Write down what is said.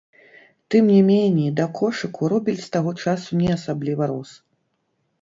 Тым не меней, да кошыку рубель з таго часу не асабліва рос.